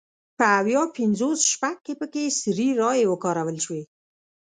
په ویا پینځوس شپږ کې پکې سري رایې وکارول شوې.